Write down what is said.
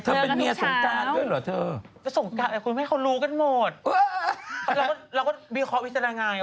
ทำไมแองจี้รู้เยอะจังเลยคะก็หนูศึกษาไง